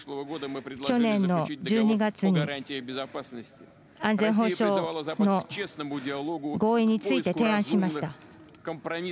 去年の１２月に安全保障の合意について提案しました。